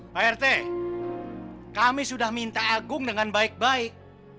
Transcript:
pak rt kami sudah minta agung dengan baik baik